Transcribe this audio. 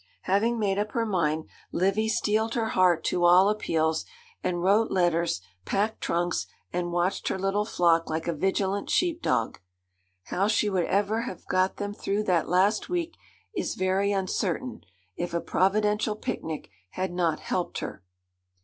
Having made up her mind, Livy steeled her heart to all appeals, and wrote letters, packed trunks, and watched her little flock like a vigilant sheep dog. How she would ever have got them through that last week is very uncertain, if a providential picnic had not helped her.